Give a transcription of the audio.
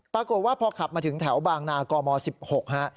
ปรากฏว่าพอขับมาถึงแถวบางนากม๑๖ฮะ